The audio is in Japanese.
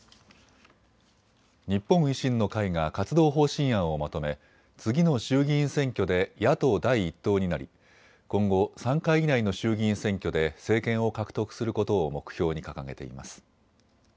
日本維新の会が活動方針案をまとめ次の衆議院選挙で野党第一党になり今後３回以内の衆議院選挙で政権を獲得することを目標に掲げています。